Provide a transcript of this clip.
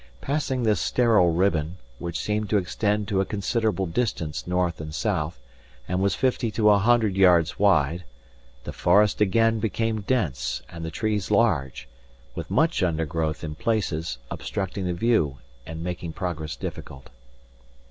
Passing this sterile ribbon, which seemed to extend to a considerable distance north and south, and was fifty to a hundred yards wide, the forest again became dense and the trees large, with much undergrowth in places obstructing the view and making progress difficult.